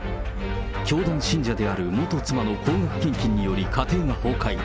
教団信者である元妻の高額献金により家庭が崩壊。